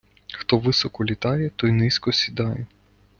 Хто високо літає, той низько сідає.